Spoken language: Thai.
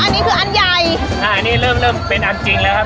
อันนี้คืออันใหญ่อ่าอันนี้เริ่มเริ่มเป็นอันจริงแล้วครับ